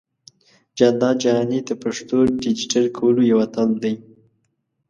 جانداد جهاني د پښتو ډىجيټل کولو يو اتل دى.